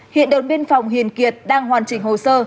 hiện đồn biên phòng hiền kiệt đang hoàn chỉnh hồ sơ